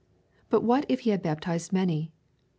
But what if he had baptized many